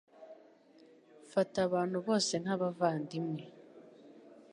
Fata abantu bose nkabavandimwe.